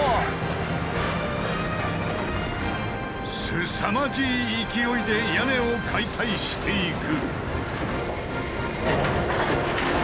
すさまじい勢いで屋根を解体していく。